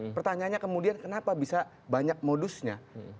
pertanyaannya kemudian kenapa bisa banyak modusnya